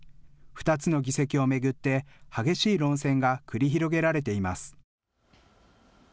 ２つの議席を巡って激しい論戦が繰り広げられています。